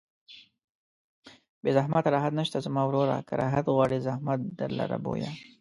بې زحمته راحت نشته زما وروره که راحت غواړې زحمت در لره بویه